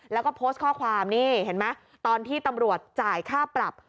แล้วก็โพสต์ข้อความนี่เห็นไหมตอนที่ตำรวจจ่ายค่าปรับ